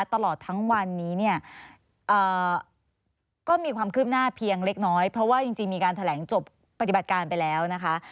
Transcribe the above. ตลอดทั้งวันนี้เนี่ยก็มีความคืบหน้าเพียงเล็กน้อยเพราะว่าจริงมีการแถลงจบปฏิบัติการไปแล้วนะคะ